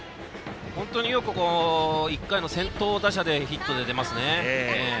本当に横浜高校は１回の先頭打者でヒットで出ます。